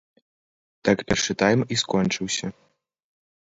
Так першы тайм і скончыўся.